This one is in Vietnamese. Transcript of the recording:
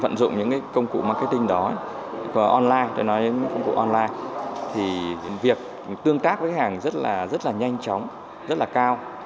tận dụng những cái công cụ marketing đó online tôi nói đến công cụ online thì việc tương tác với khách hàng rất là nhanh chóng rất là cao